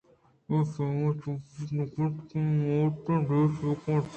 اے پیم ءَچو بوت نہ کنت آئی ءِمات ءَ دیست بہ کنت